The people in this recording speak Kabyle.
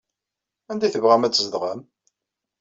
Anda ay tebɣam ad tzedɣem?